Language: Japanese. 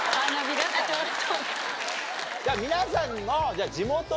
皆さんの。